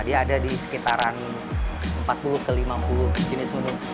dia ada di sekitaran empat puluh ke lima puluh jenis menu